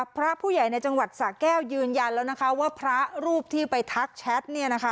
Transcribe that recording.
พระผู้ใหญ่ในจังหวัดสะแก้วยืนยันแล้วนะคะว่าพระรูปที่ไปทักแชท